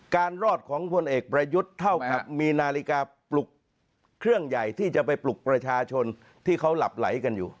รอดของพลเอกประยุทธ์เท่ากับมีนาฬิกาปลุกเครื่องใหญ่ที่จะไปปลุกประชาชนที่เขาหลับไหลกันอยู่